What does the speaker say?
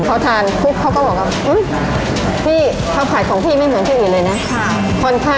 เขาทานก็บอกเอาพี่ข้าวผัดของพี่ไม่เหมือนที่อีกเลยนะค่ะ